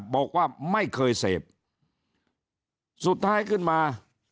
บอกว่าไม่เคยเสพสุดท้ายขึ้นมา